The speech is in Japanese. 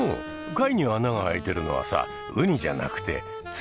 貝に穴が開いてるのはさウニじゃなくてツメタガイ。